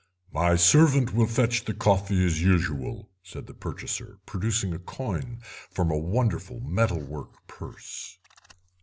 "My servant will fetch the coffee as usual," said the purchaser, producing a coin from a wonderful metal work purse.